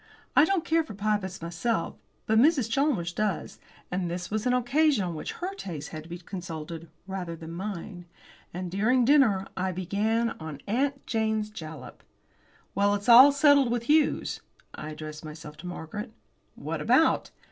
I don't care for Pybus myself, but Mrs. Chalmers does, and this was an occasion on which her taste had to be consulted rather than mine. And during dinner I began on "Aunt Jane's Jalap." "Well, it's all settled with Hughes." I addressed myself to Margaret. "What about?"